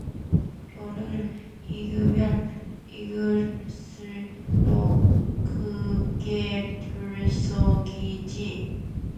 벼는 익으면 익을수록 고개를 숙이지.